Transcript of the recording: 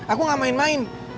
aku gak main main